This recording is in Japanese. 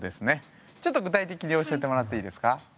ちょっと具体的に教えてもらっていいですか？